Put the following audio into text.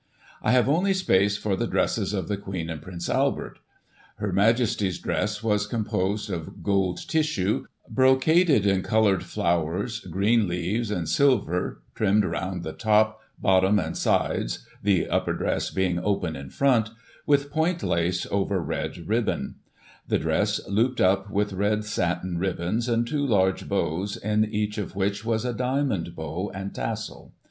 I have only space for the dresses of the Queen and Prince Albert. Her Majesty's dress was composed of gold tissue, brocaded in coloured flowers, green leaves and silver, trimmed round the top, bottom and sides (the upper dress being open in front) with point lace over red ribbon ; the dress looped up with red satin ribbons, and two large bows, in each of which was a diamond bow and tassel.